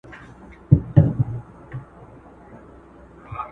ته بايد هره ورځ يو مطلب ولولې.